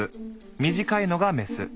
短いのがメス。